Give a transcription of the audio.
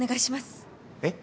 えっ？